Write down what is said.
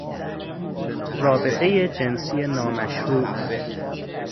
رابطهی جنسی نامشروع